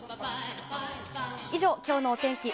以上、今日のお天気